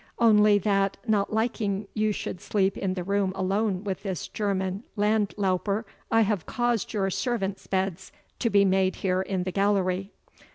Only that, not liking you should sleep in the room alone with this German land louper, I have caused your servants' beds to be made here in the gallery.